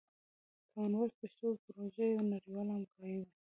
کامن وایس پښتو پروژه یوه نړیواله همکاري ده.